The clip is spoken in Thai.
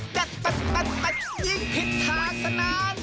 ตั๊ตั๊ตั๊ตั๊ตั๊ยิ่งพิษทางสนาน